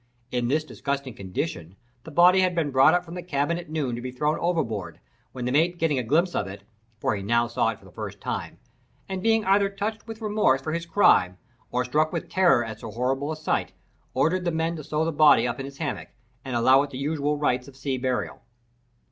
In this disgusting condition the body had been brought up from the cabin at noon to be thrown overboard, when the mate getting a glimpse of it (for he now saw it for the first time), and being either touched with remorse for his crime or struck with terror at so horrible a sight, ordered the men to sew the body up in its hammock, and allow it the usual rites of sea burial.